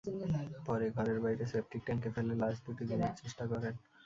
পরে ঘরের বাইরে সেপটিক ট্যাংকে ফেলে লাশ দুটি গুমের চেষ্টা করেন।